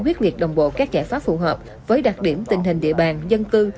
quyết liệt đồng bộ các giải pháp phù hợp với đặc điểm tình hình địa bàn dân cư